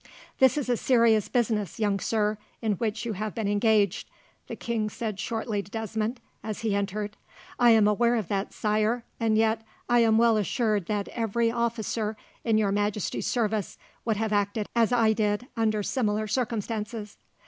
"This is a serious business, young sir, in which you have been engaged," the king said shortly to Desmond, as he entered. "I am aware of that, Sire, and yet I am well assured that every officer in Your Majesty's service would have acted as I did, under similar circumstances."